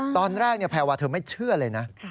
ตอนแรกเนี่ยแพววาเธอไม่เชื่อเลยนะ